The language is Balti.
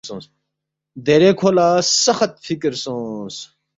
دیرے کھو لہ سخت فکر سونگس